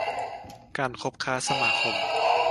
การคบค้าสมาคม